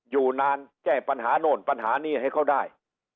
อยู่นานแก้ปัญหาโน่นปัญหานี่ให้เขาได้